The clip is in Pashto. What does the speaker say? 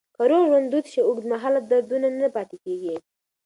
که روغ ژوند دود شي، اوږدمهاله دردونه نه پاتې کېږي.